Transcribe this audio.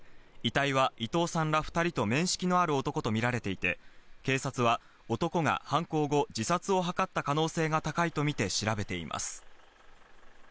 遺体は伊藤さんら２人と面識のある男とみられていて、警察は男が犯行後、自殺を図った可能性が高いとみて調べています。